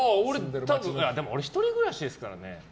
でも俺、１人暮らしですからね。